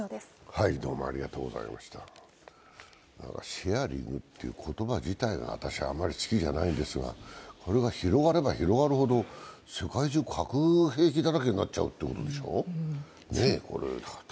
シェアリングという言葉自体が私はあんまり好きじゃないんですがこれが広がれば広がるほど世界中、核兵器だらけになっちゃうってことでしょう？